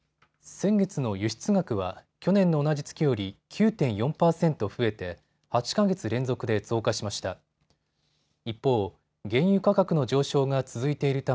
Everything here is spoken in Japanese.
先月の輸出額は去年の同じ月より９．４％増えて８か月連続で増加しました。